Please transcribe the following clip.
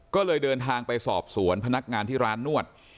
ก็เลยเดินทางไปสอบสวนพนักงานที่ร้านนวด